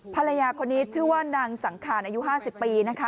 ภรรยาคนนี้ชื่อว่านางสังคารอายุ๕๐ปีนะคะ